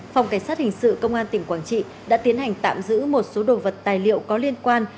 phòng cảnh sát hình sự công an tỉnh quảng trị đã tiến hành tạm giữ một số đồ vật tài liệu có liên quan